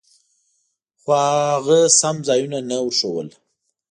خو هغه سم ځایونه نه ورښودل.